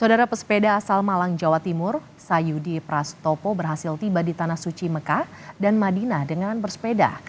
saudara pesepeda asal malang jawa timur sayudi prastopo berhasil tiba di tanah suci mekah dan madinah dengan bersepeda